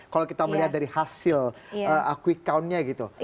kalau kita melihat dari hasil quick count nya gitu